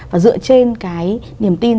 và dựa trên cái niềm tin